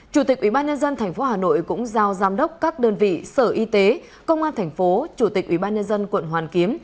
chủ tịch ubnd tp hà nội cũng giao giám đốc các đơn vị sở y tế công an thành phố chủ tịch ubnd quận hoàn kiếm